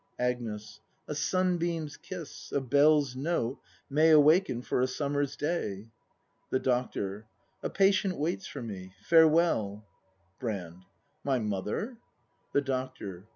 Agnes. A sunbeam's kiss, a bell's note, may Awaken for a summer's day. The Doctor. A patient waits for me. Farewell. Brand, My mother ? ACT in] BRAND HI The Doctor.